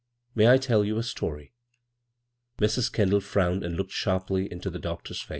May I tell 'ou a story ?" Mrs. Kendall frowned and looked sharply Qto the doctor's face.